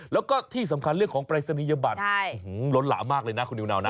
แล้วก็ที่สำคัญเรื่องของปรายศนียบัตรล้นหลามมากเลยนะคุณนิวนาวนะ